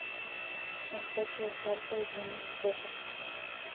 El techo es alto y tiene espejos.